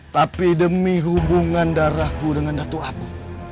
tapi demi hubungan darahku dengan datu abu